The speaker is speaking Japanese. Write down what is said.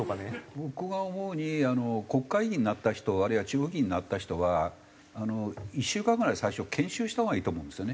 僕が思うに国会議員になった人あるいは地方議員になった人は１週間くらい最初研修したほうがいいと思うんですよね。